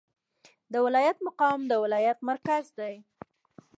د ولایت مقام د ولایت مرکز دی